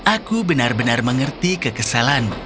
aku benar benar mengerti kekesalanmu